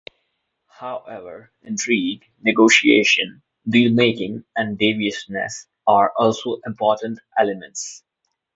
However, intrigue, negotiation, deal-making, and deviousness are also important elements.